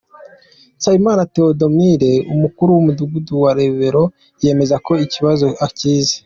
Nsabimana Theodomir, umukuru w’umudugudu wa Rebero yemeza ko iki kibazo akizi,.